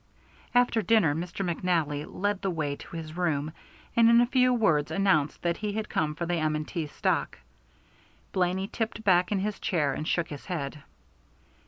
After dinner Mr. McNally led the way to his room, and in a few words announced that he had come for the M. & T. stock. Blaney tipped back in his chair and shook his head.